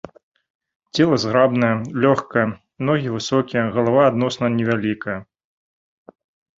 Цела зграбнае, лёгкае, ногі высокія, галава адносна невялікая.